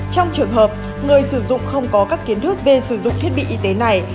trong trường hợp người sử dụng không có các kiến thức về sử dụng thiết bị y tế này